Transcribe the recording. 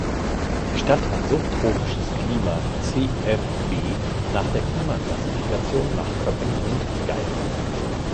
Die Stadt hat subtropisches Klima "Cfb" nach der Klimaklassifikation nach Köppen und Geiger.